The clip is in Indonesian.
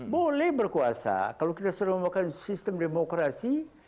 boleh berkuasa kalau kita sudah memakan sistem demokrasi